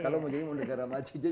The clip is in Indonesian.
kalau mau jadi muda garam acija